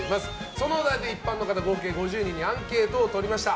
そのお題で一般の方合計５０人にアンケートを取りました。